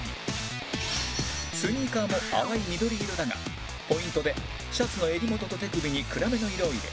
スニーカーも淡い緑色だがポイントでシャツの襟元と手首に暗めの色を入れ